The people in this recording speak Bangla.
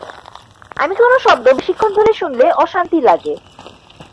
আমি কোনো শব্দ বেশিক্ষণ ধরে শুনলে অশান্তি লাগে।